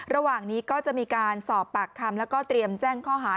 ระหว่างนี้ก็จะมีการสอบปากคำแล้วก็เตรียมแจ้งข้อหา